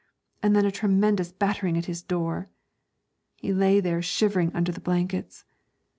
and then a tremendous battering at his door. He lay there shivering under the blankets.